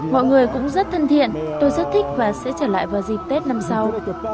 mọi người cũng rất thân thiện tôi rất thích và sẽ trở lại vào dịp tết năm sau